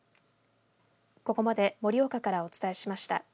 ここまで盛岡からお伝えしました。